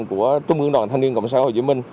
của trung ương đoàn thanh niên cộng sản hồ chí minh